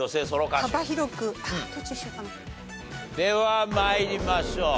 では参りましょう。